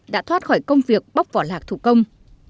đã thoát khỏi công việc bóc vỏ lạc thủ công